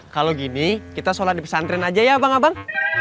kalau gini kita sholat di pesantren aja ya bang abang